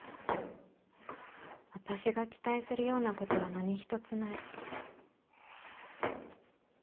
私が期待するようなことは何一つない。